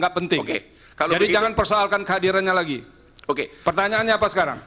gak penting jadi jangan persoalkan kehadirannya lagi oke pertanyaannya apa sekarang